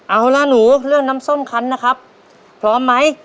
เอาล่ะหนูเรื่องน้ำส้มคันนะครับพร้อมไหม